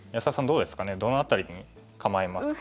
どうですかねどの辺りに構えますかね。